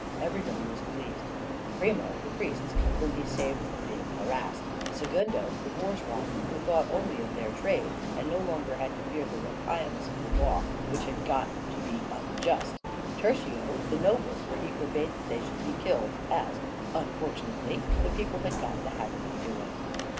everybody was pleased; primo, the priests, whom he saved from being harassed; secundo, the bourgeois, who thought only of their trade, and no longer had to fear the rapiamus of the law, which had got to be unjust; tertio, the nobles, for he forbade they should be killed, as, unfortunately, the people had got the habit of doing.